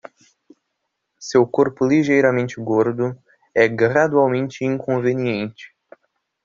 Seu corpo ligeiramente gordo é gradualmente inconveniente